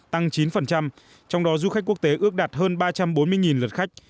tăng chín trong đó du khách quốc tế ước đạt hơn ba trăm bốn mươi lượt khách